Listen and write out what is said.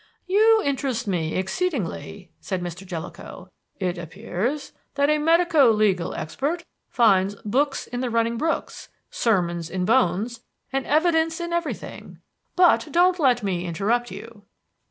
"You interest me exceedingly," said Mr. Jellicoe. "It appears that a medico legal expert finds 'books in the running brooks, sermons in bones, and evidence in everything.' But don't let me interrupt you."